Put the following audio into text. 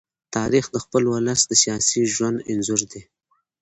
تاریخ د خپل ولس د سیاسي ژوند انځور دی.